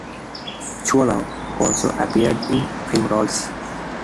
Chuvalo also appeared in film roles.